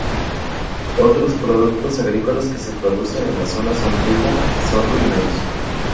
Otros productos agrícolas que se producen en la zona son trigo, sorgo y maíz.